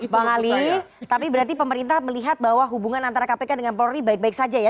bang ali tapi berarti pemerintah melihat bahwa hubungan antara kpk dengan polri baik baik saja ya